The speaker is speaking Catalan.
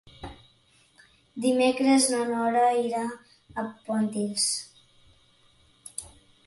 Dimecres na Nora irà a Pontils.